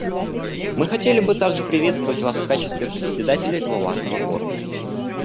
Мы хотели бы также приветствовать вас в качестве Председателя этого важного форума.